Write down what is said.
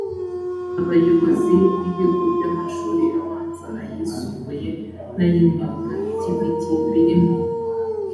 abayobozi b ibigo by amashuri abanza ayisumbuye n ay imyuga tvet biri mu